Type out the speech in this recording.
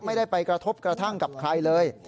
ไม่ได้ไปกระทบกระทั่งกับใครเลย